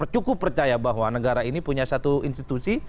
cukup percaya bahwa negara ini punya satu institusi